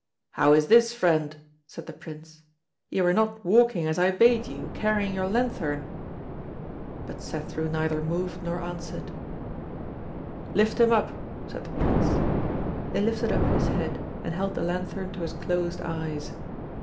"How is this, Friend?" said the Prince. "You are not walking as I bade you, carrying your lanthorn." But Cethru neither moved nor answered: "Lift him up!" said the Prince. They lifted up his head and held the lanthorn to his closed eyes.